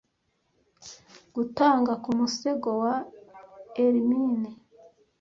gutanga ku musego wa ermine